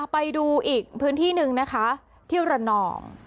ไปดูอีกพื้นที่หนึ่งนะคะที่ระนอง